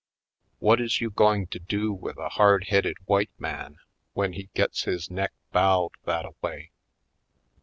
What is you going to do with a hard headed white man when he gets his neck bowed that a way?